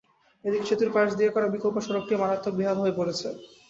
এদিকে সেতুর পাশ দিয়ে করা বিকল্প সড়কটিও মারাত্মক বেহাল হয়ে পড়েছে।